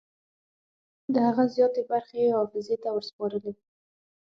د هغه زیاتې برخې یې حافظې ته وسپارلې.